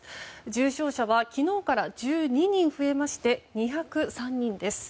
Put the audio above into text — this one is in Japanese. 重症者は昨日から１２人増えて２０３人です。